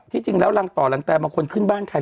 จริงแล้วรังต่อรังแตบางคนขึ้นบ้านใคร